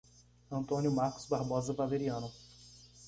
Antônio Marcos Barbosa Valeriano